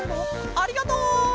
ありがとう！